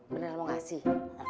bener mau kasih